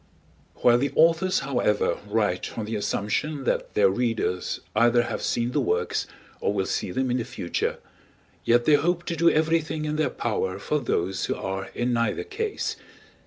While the authors, however, write on the assumption that their readers either have seen the works, or will see them in the future, yet they hope to do everything in their power for those who are in neither case.